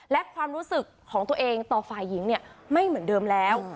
และความรู้สึกของตัวเองต่อฝ่ายหญิงไม่เหมือนเดิมแล้ว